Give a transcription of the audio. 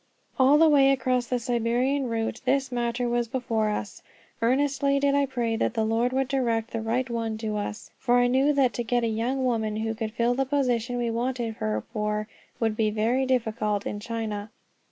All the way across the Siberian route this matter was before us. Earnestly did I pray that the Lord would direct the right one to us; for I knew that to get a young woman, who could fill the position we wanted her for, would be very difficult in China.